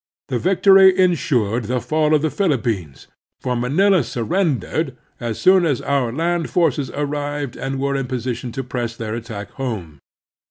The victory instn ed the fall of the Philippines, for Manila surrendered as soon as owr land forces arrived and were in position to press their attack Admiral Dewey 195 home.